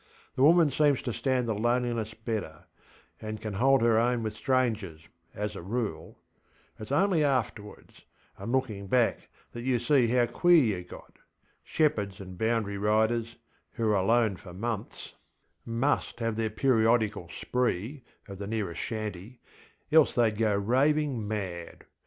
The woman seems to stand the loneliness better, and can hold her own with strangers, as a rule. ItŌĆÖs only afterwards, and looking back, that you see how queer you got. Shepherds and boundary riders, who are alone for months, MUST have their periodical spree, at the nearest shanty, else theyŌĆÖd go raving mad.